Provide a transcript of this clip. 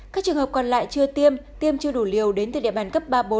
các trường hợp còn lại chưa tiêm tiêm chưa đủ liều đến từ địa bàn cấp ba bốn